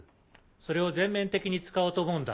それを全面的に使おうと思うんだ。